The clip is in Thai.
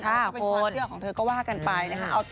แล้วก็เป็นความเชื่อของเธอก็ว่ากันไปนะคะ